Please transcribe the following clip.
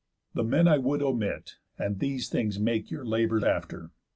The men I would omit, and these things make Your labour after.